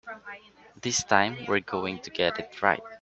This time we're going to get it right.